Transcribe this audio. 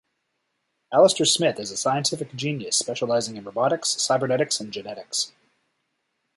Alistair Smythe is a scientific genius specializing in robotics, cybernetics and genetics.